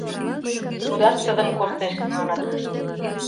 Тудат шыдын коштеш, маныт.